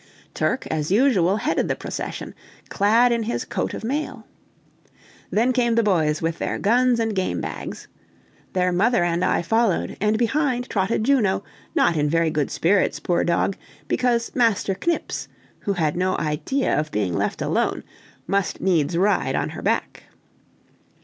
Turk, as usual, headed the procession, clad in his coat of mail. Then came the boys with their guns and game bags. Their mother and I followed, and behind trotted Juno, not in very good spirits, poor dog! because Master Knips, who had no idea of being left alone, must needs ride on her back.